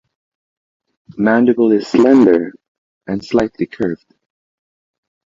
Mandible is slender and slightly curved.